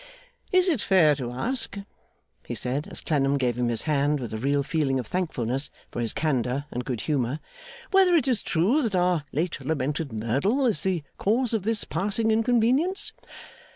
'Is it fair to ask,' he said, as Clennam gave him his hand with a real feeling of thankfulness for his candour and good humour, 'whether it is true that our late lamented Merdle is the cause of this passing inconvenience?